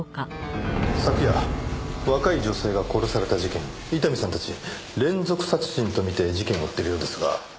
昨夜若い女性が殺された事件伊丹さんたち連続殺人とみて事件を追っているようですが。